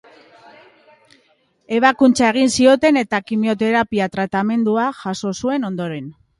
Ebakuntza egin zioten eta kimioterapia tratamendua jaso zuen ondoren.